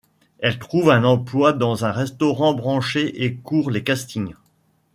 Elle trouve un emploi dans un restaurant branché et court les castings.